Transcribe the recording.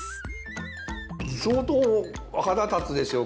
相当腹立つでしょう